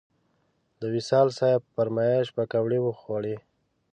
د وصال صیب په فرمایش پکوړې وخوړې.